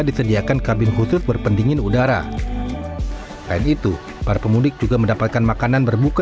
disediakan kabin khusus berpendingin udara lain itu para pemudik juga mendapatkan makanan berbuka